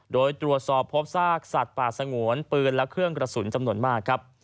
โดยตรวจสอบพบซากสัตว์ป่าสงวนปืนและเครื่องกระสุนจำนวนมากครับ